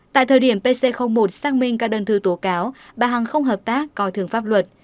tại thời điểm pc một xác minh các đơn thư tố cáo bà hằng không hợp tác coi thường pháp luật